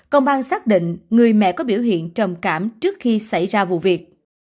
công an xác định người mẹ có biểu hiện trầm cảm trước khi xảy ra vụ việc